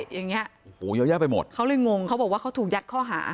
อย่างเงี้ยโอ้โหเยอะแยะไปหมดเขาเลยงงเขาบอกว่าเขาถูกยัดข้อหา